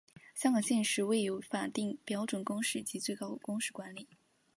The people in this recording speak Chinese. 香港现时未有法定标准工时及最高工时规管。